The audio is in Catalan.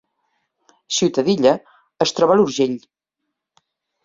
Ciutadilla es troba a l’Urgell